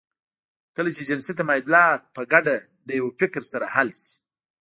کله چې جنسي تمايلات په ګډه له يوه فکر سره حل شي.